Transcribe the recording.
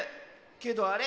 けどあれ？